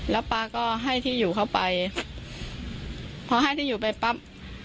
แล้วป๊าก็ให้ที่อยู่เข้าไปพอให้ที่อยู่ไปปั๊บ